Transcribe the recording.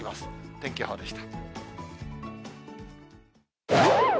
天気予報でした。